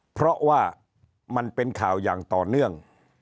เพราะว่ามันเป็นข่าวอย่างต่อเนื่อง